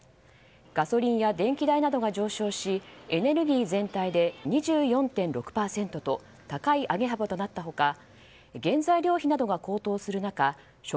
ガソリンや電気代などが上昇しエネルギー全体で２４．６％と高い上げ幅となった他原材料費などが高騰する中食